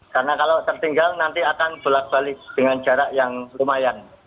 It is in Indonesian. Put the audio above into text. karena kalau tertinggal nanti akan bolak balik dengan jarak yang lumayan